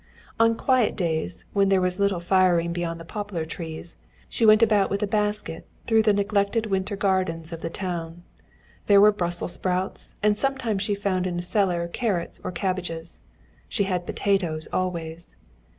On quiet days, when there was little firing beyond the poplar trees, she went about with a basket through the neglected winter gardens of the town. There were Brussels sprouts, and sometimes she found in a cellar carrots or cabbages. She had potatoes always.